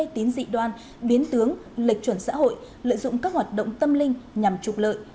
tín dị đoan biến tướng lệch chuẩn xã hội lợi dụng các hoạt động tâm linh nhằm trục lợi